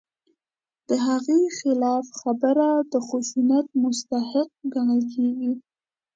د هغې خلاف خبره د خشونت مستحق ګڼل کېږي.